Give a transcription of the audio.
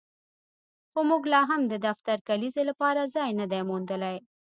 خو موږ لاهم د دفتر د کلیزې لپاره ځای نه دی موندلی